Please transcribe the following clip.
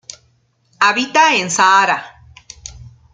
Habita en Sahara.